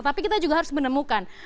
tapi kita juga harus menemukan